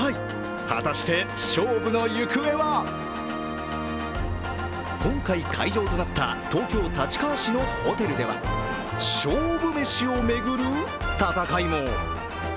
果たして勝負の行方は今回、会場となった東京・立川市のホテルでは勝負めしを巡る戦いも。